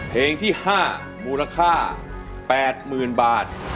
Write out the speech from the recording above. เพลงที่๕มูลค่า๘๐๐๐บาท